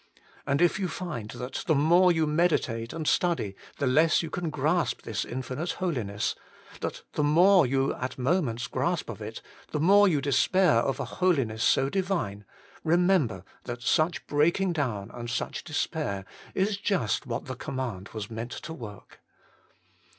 And if you find that the more you meditate and study, the less you can grasp this infinite holiness ; that the more you at moments grasp of it, the more you despair of a holiness so Divine ; remember that such breaking down and such despair is just what the command was meant to work.